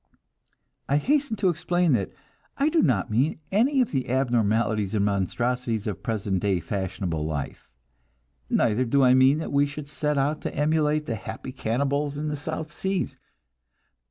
I hasten to explain that I do not mean any of the abnormalities and monstrosities of present day fashionable life. Neither do I mean that we should set out to emulate the happy cannibals in the South Seas.